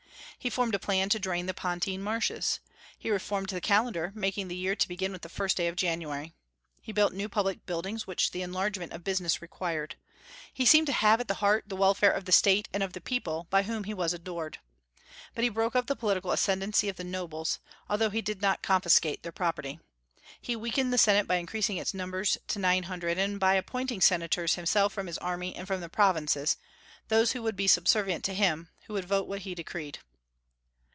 He formed a plan to drain the Pontine Marshes. He reformed the calendar, making the year to begin with the first day of January. He built new public buildings, which the enlargement of business required. He seemed to have at heart the welfare of the State and of the people, by whom he was adored. But he broke up the political ascendancy of nobles, although he did not confiscate their property. He weakened the Senate by increasing its numbers to nine hundred, and by appointing senators himself from his army and from the provinces, those who would be subservient to him, who would vote what he decreed.